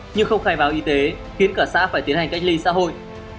nhưng không khai báo y tế khiến cả xã phải tiến hành cách ly xã hội